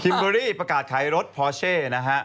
คิมบริประกาศขายรถพอร์เช่นะฮะ